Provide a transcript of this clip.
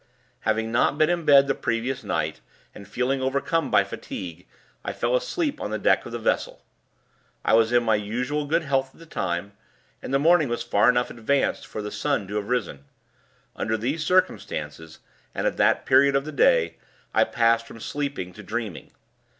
Having not been in bed the previous night, and feeling overcome by fatigue, I fell asleep on the deck of the vessel. I was in my usual good health at the time, and the morning was far enough advanced for the sun to have risen. Under these circumstances, and at that period of the day, I passed from sleeping to dreaming.